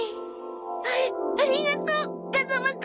あありがとう風間くん。